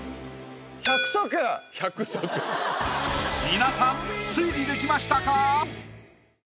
１００皆さん推理できましたか？